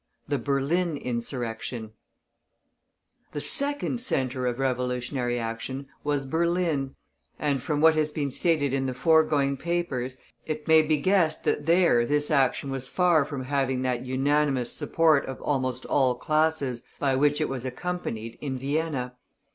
THE BERLIN INSURRECTION. NOVEMBER 28, 1851. The second center of revolutionary action was Berlin, and from what has been stated in the foregoing papers, it may be guessed that there this action was far from having that unanimous support of almost all classes by which it was accompanied in Vienna.